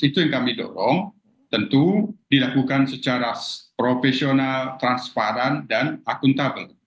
itu yang kami dorong tentu dilakukan secara profesional transparan dan akuntabel